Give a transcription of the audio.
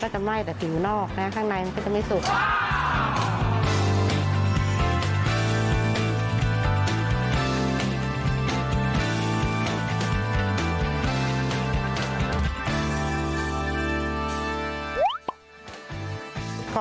มันก็จะไหแต่ผิวนอกในข้างในจะไม่สุก